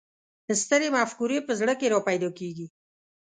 سترې مفکورې په زړه کې را پیدا کېږي.